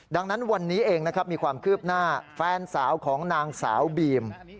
ดังนั้นวันนี้เองนะครับมีความคืบหน้าแฟนสาวของนางสาวบีม